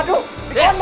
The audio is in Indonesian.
aduh inget tit